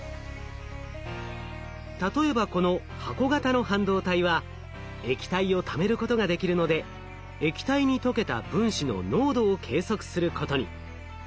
例えばこの箱型の半導体は液体をためることができるので液体に溶けた分子の濃度を計測することに。